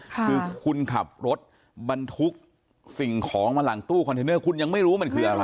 คือคุณขับรถบรรทุกสิ่งของมาหลังตู้คอนเทนเนอร์คุณยังไม่รู้มันคืออะไร